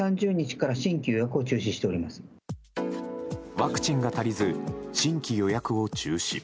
ワクチンが足りず新規予約を中止。